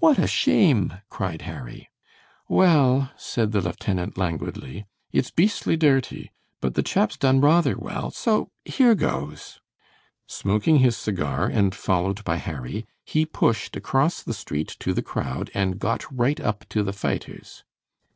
"What a shame!" cried Harry. "Well," said the lieutenant, languidly, "it's beastly dirty, but the chap's done rather well, so here goes." Smoking his cigar, and followed by Harry, he pushed across the street to the crowd, and got right up to the fighters.